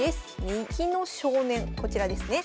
右の少年こちらですね。